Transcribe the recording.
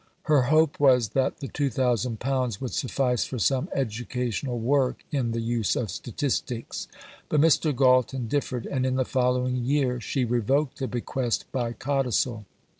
Her hope was that the £2000 would suffice for some educational work in the use of Statistics, but Mr. Galton differed, and in the following year she revoked the bequest by Codicil.